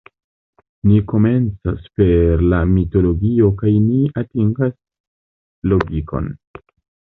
Ni komencas per la mitologio kaj ni atingas logikon.